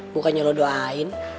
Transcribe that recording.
bukannya lo doain